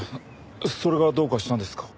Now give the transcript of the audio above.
それがどうかしたんですか？